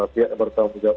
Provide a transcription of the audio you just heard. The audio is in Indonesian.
pihak yang bertanggung jawab